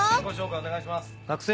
お願いします。